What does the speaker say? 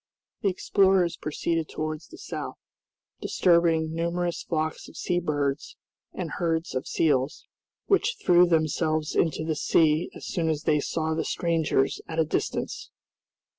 The explorers proceeded towards the south, disturbing numerous flocks of sea birds and herds of seals, which threw themselves into the sea as soon as they saw the strangers at a distance.